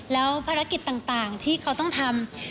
แล้วภารกิจต่างที่เขาต้องทำ